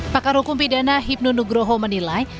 pakar hukum pidana hipnu nugroho menilai